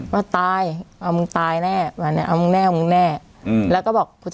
ว่าตายเอามึงตายแน่เอามึงแน่แล้วก็บอก